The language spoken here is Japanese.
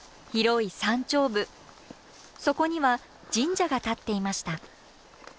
そこには神社が建っていました。